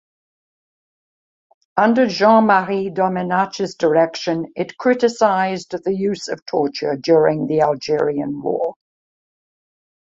Under Jean-Marie Domenach's direction, it criticized the use of torture during the Algerian War.